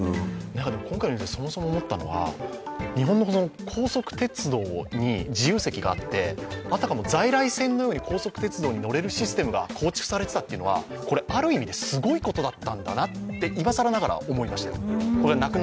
今回そもそも思ったのは日本の高速鉄道に自由席があって、あたかも在来線のように新幹線に乗れるシステムがあるということはある意味ですごいことだったんだなって今更ながら思いました。